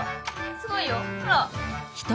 すごいよほら！